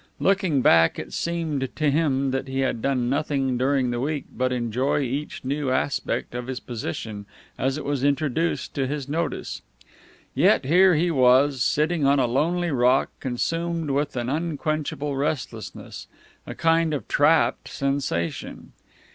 Looking back, it seemed to him that he had done nothing during that week but enjoy each new aspect of his position as it was introduced to his notice. Yet here he was, sitting on a lonely rock, consumed with an unquenchable restlessness, a kind of trapped sensation.